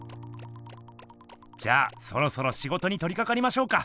じゃあそろそろしごとにとりかかりましょうか。